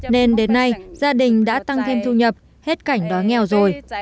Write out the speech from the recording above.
nên đến nay gia đình đã tăng thêm thu nhập hết cảnh đói nghèo rồi